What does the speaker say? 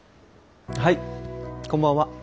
はいこんばんは。